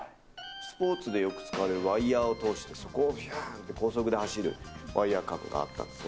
スポーツでよく使われるワイヤーを通して、そこをびゅーんって高速で走るワイヤーカムがあったんですよ。